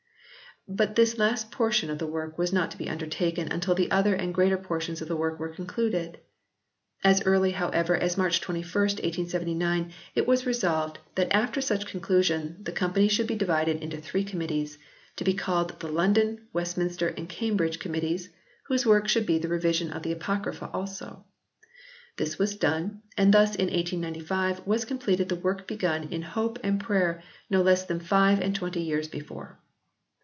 But this last portion of the work was not to be undertaken until the other and greater portions of the work were concluded. As early, however, as March 21, 1879, it was resolved that after such conclusion, the Company should be divided into three Committees, to be called the London, Westminster and Cambridge Committees, whose work should be the revision of the Apocrypha also. This was done, and thus in 1895 was completed the work begun in hope and prayer no less than five and twenty years before.